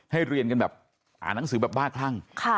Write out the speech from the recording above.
เรียนกันแบบอ่านหนังสือแบบบ้าคลั่ง